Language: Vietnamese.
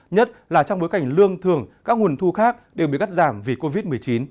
nhất là trong bối cảnh lương thường các nguồn thu khác đều bị cắt giảm vì covid một mươi chín